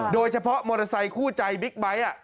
โดยเฉพาะมอเตอร์ไซคู่ใจบิ๊กไบท์